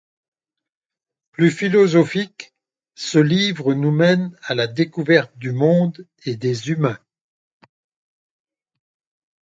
Plus philosophique, ce livre nous mène à la découverte du monde et des humains.